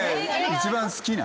一番好きな？